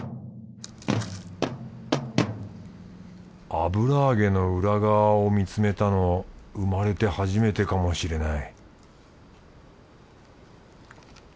油揚げの裏側を見つめたの生まれて初めてかもしれない